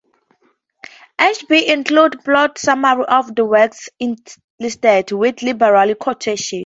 Ashbee includes plot summaries of the works listed, with liberal quotations.